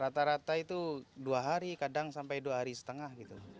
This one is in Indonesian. rata rata itu dua hari kadang sampai dua hari setengah gitu